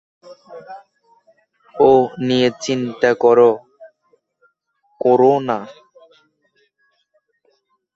ও নিয়ে চিন্তা করো কোরো না।